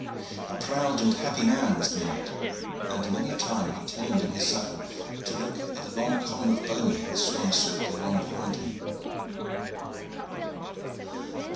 A proud and happy man was the knight, and many a time he turned in his saddle to look at the long column of bowmen who swung swiftly along behind him.